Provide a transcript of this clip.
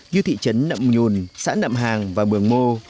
như thị trấn nậm nhùn xã nậm hàng và mường mô